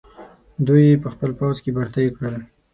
دوی یې په خپل پوځ کې برتۍ کړل.